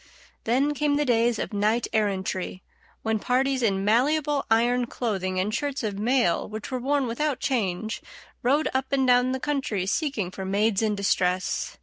Then came the days of knight errantry, when parties in malleable iron clothing and shirts of mail which were worn without change rode up and down the country seeking for maids in distress.